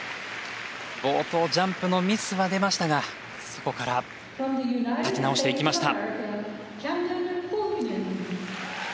冒頭、ジャンプのミスが出ましたがそこから立て直していきました。